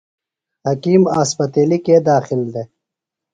حکیم اسپتیلیۡ کے داخل دےۡ؟